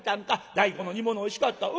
大根の煮物おいしかった。